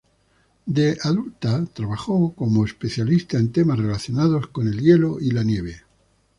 De adulta, trabajó como especialista en temas relacionados con el hielo y la nieve.